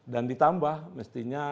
dan ditambah mestinya